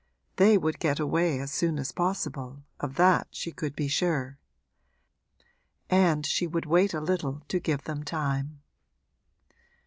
They would get away as soon as possible, of that she could be sure; and she would wait a little to give them time.